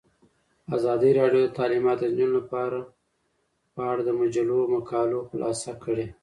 ازادي راډیو د تعلیمات د نجونو لپاره په اړه د مجلو مقالو خلاصه کړې.